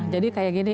jadi kayak gini